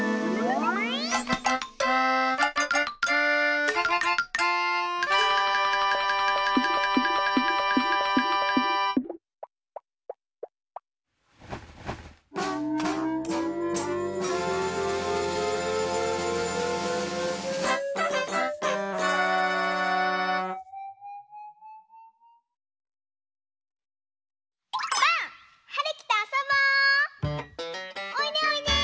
おいでおいで！